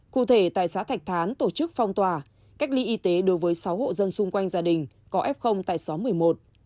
cụ thể tại xã thạch thán tổ chức phong tỏa cách ly y tế đối với sáu hộ dân xung quanh gia đình có f tại xóm một mươi một